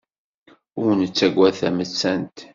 Ur nettagad tamettant.